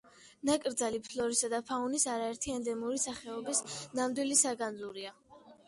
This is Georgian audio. ნაკრძალი ფლორისა და ფაუნის არაერთი ენდემური სახეობის ნამდვილი საგანძურია.